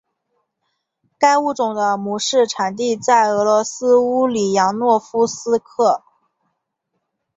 该物种的模式产地在俄罗斯乌里扬诺夫斯克。